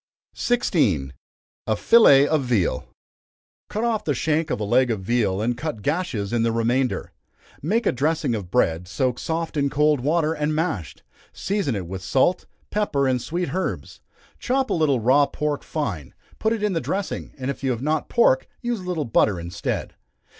16. A Fillet of Veal. Cut off the shank of a leg of veal, and cut gashes in the remainder. Make a dressing of bread, soaked soft in cold water, and mashed; season it with salt, pepper, and sweet herbs; chop a little raw pork fine, put it in the dressing, and if you have not pork, use a little butter instead.